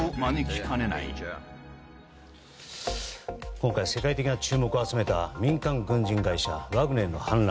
今回世界的な注目を集めた民間軍事会社ワグネルの反乱。